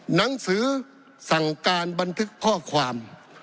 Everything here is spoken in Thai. หนังสือสั่งการบันทึกข้อความ